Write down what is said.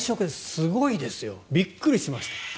すごいですよびっくりしました。